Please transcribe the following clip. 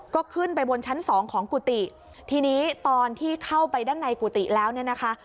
ก็ขึ้นไปบนชั้นสองของกุฏิทีนี้ตอนที่เข้าไปด้านในกุฏิแล้วเนี่ยนะคะ